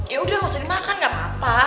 yaudah lo sering makan gapapa